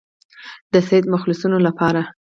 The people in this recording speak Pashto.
د سید مخلصانو لپاره.